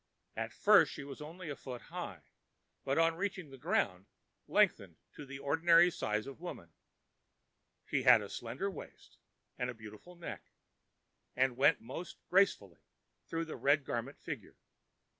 At first she was only a foot high, but on reaching the ground lengthened to the ordinary size of women. She had a slender waist and a beautiful neck, and went most gracefully through the Red Garment figure.